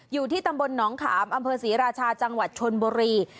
อยู่ที่ตำบลหนองขามอำเภอศรีราชาจังหวัดชนบุรี